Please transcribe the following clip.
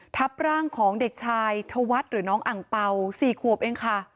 ทับร่างของเด็กชายธวัฒน์หรือน้องอังเป่า๔ขวบเองค่ะ